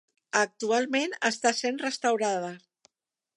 Actualment està sent restaurada.